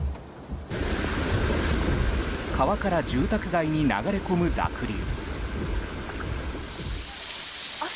川から住宅街に流れ込む濁流。